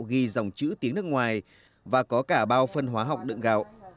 ghi dòng chữ tiếng nước ngoài và có cả bao phân hóa học đựng gạo